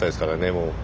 もう。